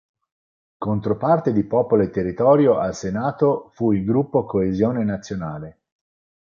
Controparte di Popolo e Territorio, al Senato, fu il gruppo Coesione Nazionale.